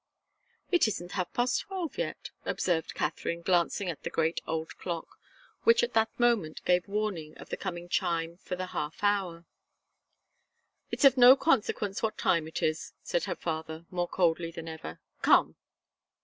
"It isn't half past twelve yet," observed Katharine, glancing at the great old clock, which at that moment gave 'warning' of the coming chime for the half hour. "It's of no consequence what time it is," said her father, more coldly than ever. "Come!"